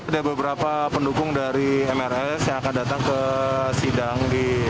ada beberapa pendukung dari mrs yang akan datang ke sidang di